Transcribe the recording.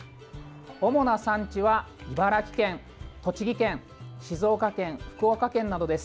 主な産地は茨城県、栃木県静岡県、福岡県などです。